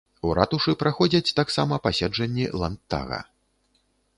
У ратушы праходзяць таксама паседжанні ландтага.